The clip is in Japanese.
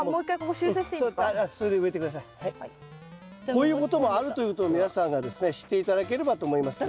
こういうこともあるということを皆さんがですね知って頂ければと思いますね。